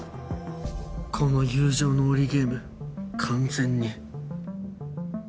この友情の檻ゲーム完全に。